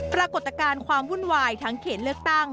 ปรากฏการณ์ความวุ่นวายทั้งเขตเลือกตั้ง